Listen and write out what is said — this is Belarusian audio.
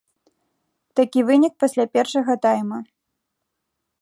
Такі вынік пасля першага тайма.